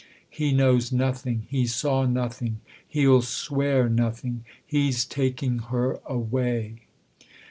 " He knows nothing he saw nothing he'll swear nothing. He's taking her away.''